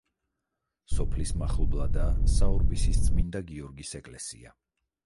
სოფლის მახლობლადაა საორბისის წმინდა გიორგის ეკლესია.